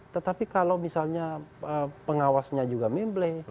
tetapi kalau misalnya pengawasnya juga memble